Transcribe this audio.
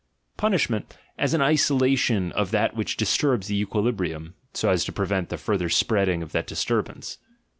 — Punishment, as an isolation of that which disturbs the equilibrium, so as to prevent the further spreading of the disturbance.